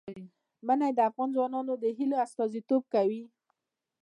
منی د افغان ځوانانو د هیلو استازیتوب کوي.